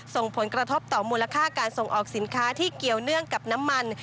ส่งผลกระทบต่อมูลค่าการส่งออกสินค้าที่เกี่ยวเนื่องกับน้ำมัน